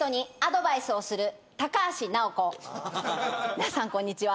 皆さんこんにちは。